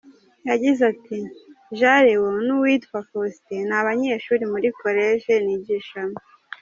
Yagize ati :"Jean Leon n’uwitwa Faustin ni abanyeshuri muri College nigishamo.